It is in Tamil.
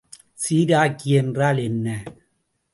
சீராக்கி என்றால் என்ன?